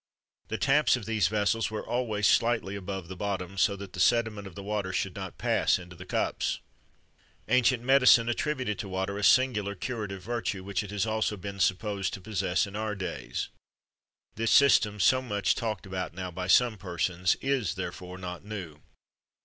The taps of these vases were always slightly above the bottom, so that the sediment of the water should not pass into the cups.[XXV 36] Ancient medicine attributed to water a singular curative virtue, which it has also been supposed to possess in our days. This system, so much talked about now by some persons, is, therefore, not new.